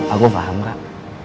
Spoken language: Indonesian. aku paham rak